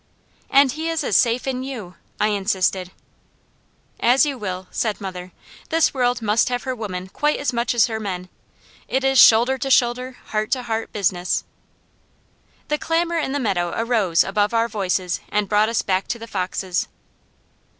"And he is as safe in you," I insisted. "As you will," said mother. "This world must have her women quite as much as her men. It is shoulder to shoulder, heart to heart, business." The clamour in the meadow arose above our voices and brought us back to the foxes.